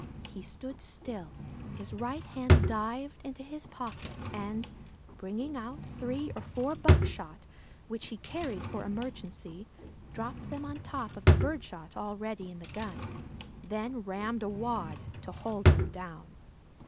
He stood still; his right hand dived into his pocket and, bringing out three or four buckshot, which he carried for emergency, he dropped them on top of the birdshot already in the gun, then rammed a wad to hold them down.